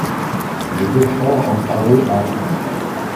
Les deux frères ont travaillé ensemble.